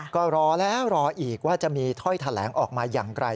ก็รอแล้วรออีกว่าจะมีถ้อยแถลงออกมาอย่างไร